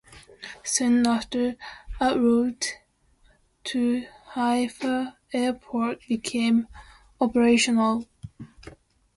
Soon after, a route to Haifa Airport became operational.